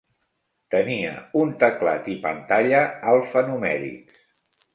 Tenia un teclat i pantalla alfanumèrics.